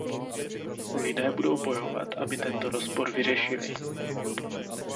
Lidé budou bojovat, aby tento rozpor vyřešili.